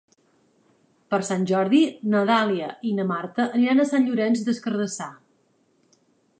Per Sant Jordi na Dàlia i na Marta aniran a Sant Llorenç des Cardassar.